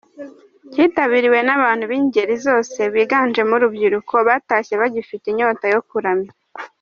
Cyitabiriwe n’abantu b’ingeri zose biganjemo urubyiruko batashye bagifite inyota yo kuramya.